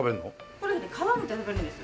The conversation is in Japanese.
これね皮むいて食べるんです。